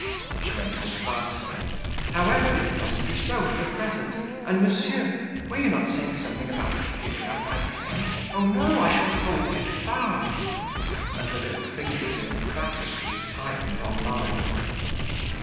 She went on faster. "However, it must be so for the present; and, monsieur, were you not saying something about my giving up my place? Oh no! I shall hold it fast;" and her little fingers emphatically tightened on mine.